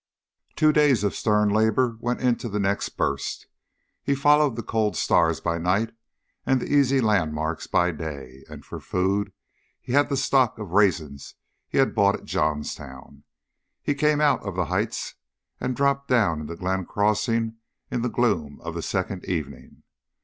Two days of stern labor went into the next burst. He followed the cold stars by night and the easy landmarks by day, and for food he had the stock of raisins he had bought at Johnstown. He came out of the heights and dropped down into Glenn Crossing in the gloom of the second evening.